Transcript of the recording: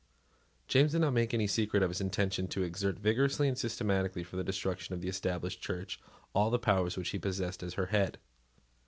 James did not even make any secret of his intention to exert vigorously and systematically for the destruction of the Established Church all the powers which he possessed as her head.